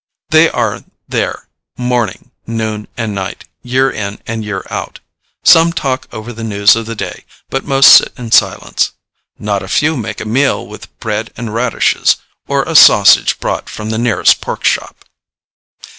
They are there morning, noon, and night, year in and year out. Some talk over the news of the day, but most sit in silence. Not a few make a meal with bread and radishes, or a sausage brought from the nearest pork shop.